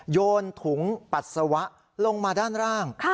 โยนถุงปัสสาวะลงมาด้านล่าง